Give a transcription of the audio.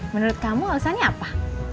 menurut kamu alasannya apa